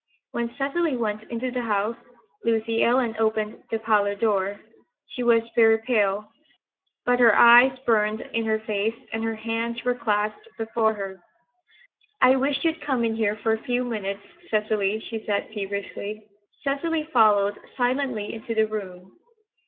When Cecily went into the house, Lucy Ellen opened the parlor door. She was very pale, but her eyes burned in her face and her hands were clasped before her. "I wish you'd come in here for a few minutes, Cecily," she said feverishly. Cecily followed silently into the room.